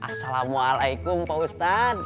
assalamualaikum pak ustaz